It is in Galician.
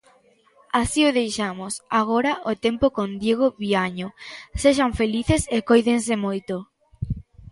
Así o deixamos, agora o tempo con Diego Viaño, sexan felices e cóidense moito.